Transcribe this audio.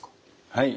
はい。